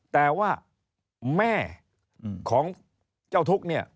แต่ว่าแม่ของเจ้าทุกข์